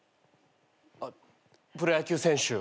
あっプロ野球選手。